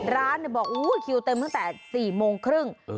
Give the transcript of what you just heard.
ร้านเนี่ยบอกอู๋คิวเต็มตั้งแต่๔โมงครึ่ง